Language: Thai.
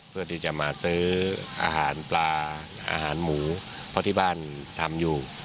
เพื่อที่จะมาซื้ออาหารปลาอาหารหมูเพราะที่บ้านทำอยู่